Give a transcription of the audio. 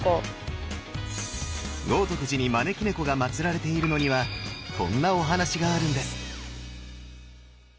豪徳寺に招き猫がまつられているのにはこんなお話があるんです。